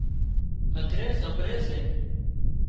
هڌري سمڀري سي